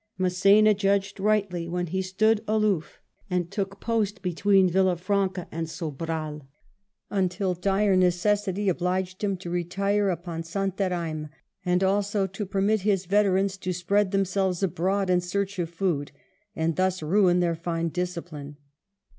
Mass6na judged rightly when he stood aloof and took post between Villa Franca and Sobral, until dire necessity obliged him to retire upon Santarem, and also to permit his veterans to spread themselves abroad in search of food and thus ruin their fine discipline.